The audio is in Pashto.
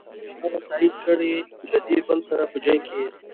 که هغه تایید کړې له دې بل سره په جنګ یې.